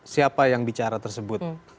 siapa yang bicara tersebut